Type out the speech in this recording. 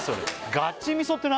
「ガチみそ」って何？